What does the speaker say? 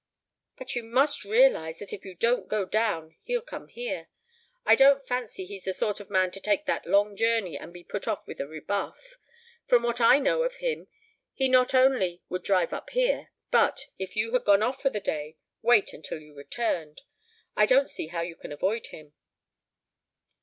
"But you must realize that if you don't go down he'll come here. I don't fancy he's the sort of man to take that long journey and be put off with a rebuff. From what I know of him he not only would drive up here, but, if you had gone off for the day, wait until you returned. I don't see how you can avoid him."